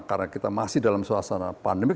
karena kita masih dalam suasana pandemi